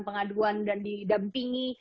pengaduan dan didampingi